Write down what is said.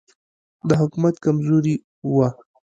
د حکومت کمزوري وه.